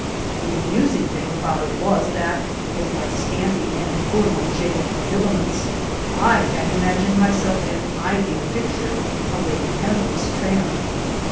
The amusing thing about it was, that with my scanty and poor Man chegan habiliments I had imagined myself an ideal picture of a penniless tramp.